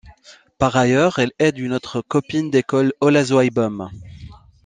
Par ailleurs elle aide une autre copine d'école Ola Zweibaum.